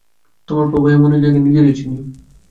তোমার প্রবাহে মনেরে জাগায়, নিজেরে চিনি।